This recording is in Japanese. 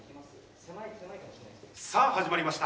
さあ始まりました。